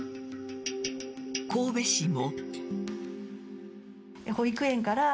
神戸市も。